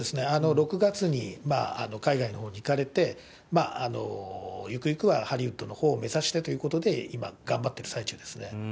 ６月に、海外のほうに行かれて、ゆくゆくはハリウッドのほうを目指してということで、今、頑張っている最中ですね。